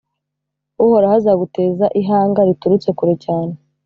uhoraho azaguteza ihanga riturutse kure cyane,